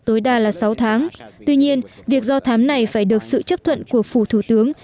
tối đa là sáu tháng tuy nhiên việc do thám này phải được sự chấp thuận của phủ thủ tướng